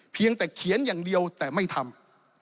เพียงแต่เขียนอย่างเดียวแต่ไม่ทำ